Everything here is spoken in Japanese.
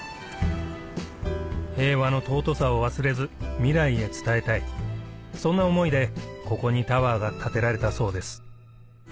平和の尊さを忘れず未来へ伝えたいそんな思いでここにタワーが建てられたそうです